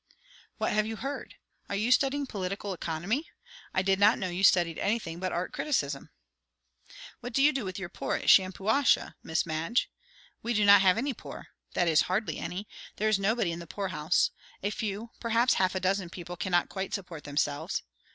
"What have you heard? Are you studying political economy? I did not know you studied anything but art criticism." "What do you do with your poor at Shampuashuh, Miss Madge?" "We do not have any poor. That is, hardly any. There is nobody in the poorhouse. A few perhaps half a dozen people, cannot quite support themselves.